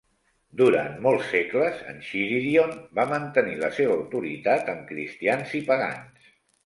Durant molts segles, "Enchiridion" va mantenir la seva autoritat amb Cristians i Pagans.